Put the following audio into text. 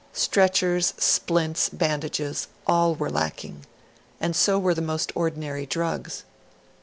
Stretchers, splints, bandages all were lacking; and so were the most ordinary drugs.